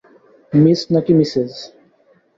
Miss নাকি Mrs?